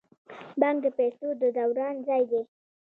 بانک د پیسو د دوران ځای دی